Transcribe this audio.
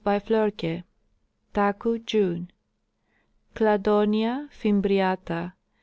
Floerk. Taku, June. Cladonia fimbriata, (L.)